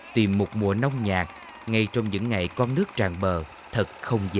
tìm một mùa nông nhàn ngay trong những ngày con nước tràn bờ thật không dễ